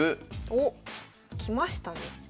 おっきましたね。